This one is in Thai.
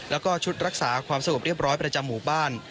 แล้วก็ชุดรักษาความสงบเรียบร้อยประจำหมู่บ้าน